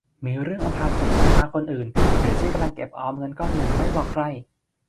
มีเรื่องอำพรางจากสายตาคนอื่น หรือเช่นกำลังเก็บออมเงินก้อนหนึ่งไม่บอกใคร